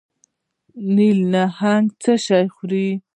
نیلي نهنګ څه شی خوري؟